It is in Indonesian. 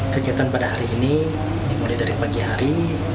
kegiatan pada hari ini dimulai dari pagi hari